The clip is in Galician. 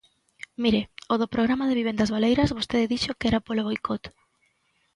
Mire, o do Programa de vivendas baleiras vostede dixo que era polo boicot.